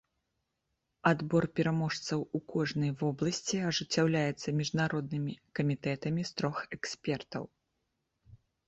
Адбор пераможцаў у кожнай вобласці ажыццяўляецца міжнароднымі камітэтамі з трох экспертаў.